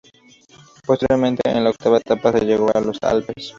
Posteriormente, en la octava etapa se llegó a los Alpes.